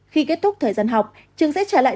khi kết thúc thời gian học trường sẽ trả lại